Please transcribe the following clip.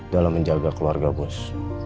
dalam menjaga keluarga bus